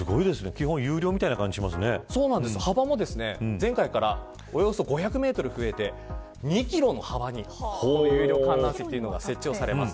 基本、有料みたいな幅も前回からおよそ５００メートル増えて２キロの幅にそういう観覧席が設置されます。